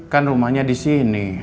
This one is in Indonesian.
kan rumahnya di sini